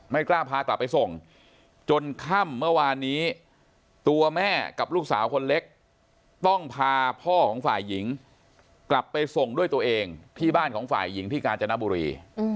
กล้าพากลับไปส่งจนค่ำเมื่อวานนี้ตัวแม่กับลูกสาวคนเล็กต้องพาพ่อของฝ่ายหญิงกลับไปส่งด้วยตัวเองที่บ้านของฝ่ายหญิงที่กาญจนบุรี